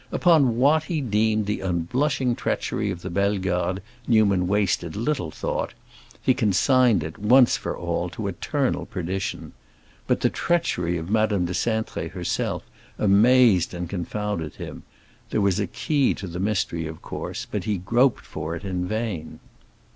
Upon what he deemed the unblushing treachery of the Bellegardes Newman wasted little thought; he consigned it, once for all, to eternal perdition. But the treachery of Madame de Cintré herself amazed and confounded him; there was a key to the mystery, of course, but he groped for it in vain.